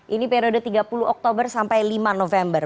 ini periode tiga puluh oktober sampai lima november